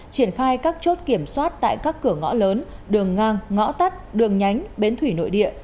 triển khai các chốt kiểm soát tại các cửa ngõ lớn đường ngang ngõ tắt đường nhánh bến thủy nội địa